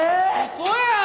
嘘やん！